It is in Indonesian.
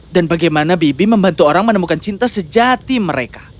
dan bagaimana bibi membantu orang menemukan cinta sejati mereka